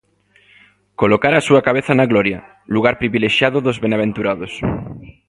Colocara a súa cabeza na gloria, lugar privilexiado dos benaventurados.